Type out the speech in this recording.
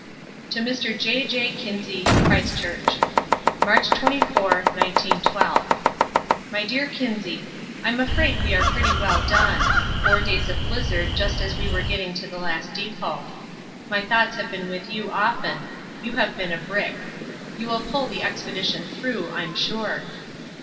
TO MR. J.J. KINSEY CHRISTCHURCH March 24th, 1912. MY DEAR KINSEY, I'm afraid we are pretty well done four days of blizzard just as we were getting to the last depot. My thoughts have been with you often. You have been a brick. You will pull the expedition through, I'm sure.